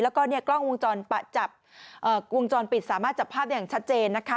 แล้วก็กล้องวงจรปิดสามารถจับภาพอย่างชัดเจนนะคะ